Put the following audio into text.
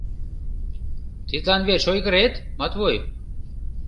— Тидлан верч ойгырет, Матвуй?